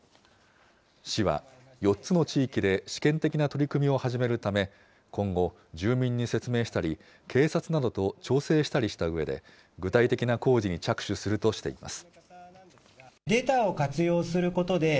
市は４つの地域で試験的な取り組みを始めるため、今後、住民に説明したり、警察などと調整したりしたうえで、具体的な工事に着手するとしています。